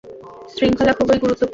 শৃঙ্খলা খুবই গুরুত্বপূর্ণ!